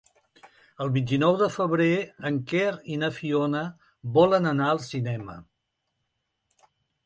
El vint-i-nou de febrer en Quer i na Fiona volen anar al cinema.